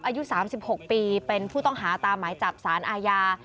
อายุสามสิบหกปีเป็นผู้ต้องหาตามไม้จับศาลอาญา